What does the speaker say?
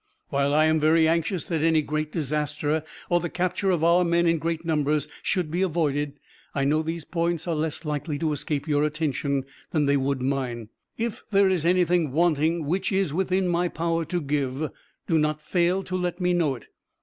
While I am very anxious that any great disaster or the capture of our men in great numbers should be avoided, I know these points are less likely to escape your attention than they would mine. If there is anything wanting which is within my power to give, do not fail to let me know it.